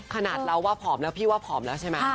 ขนาดเราว่าผอมแล้วพี่ว่าผอมแล้วใช่ไหม